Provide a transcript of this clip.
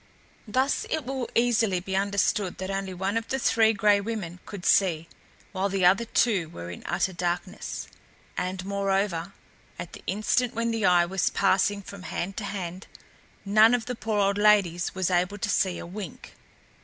Thus it will easily be understood that only one of the Three Gray Women could see, while the other two were in utter darkness; and, moreover, at the instant when the eye was passing from hand to hand, none of the poor old ladies was able to see a wink.